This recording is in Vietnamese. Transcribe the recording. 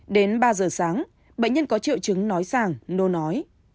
đến ba giờ sáng bệnh nhân có triệu chứng nói rằng nô nói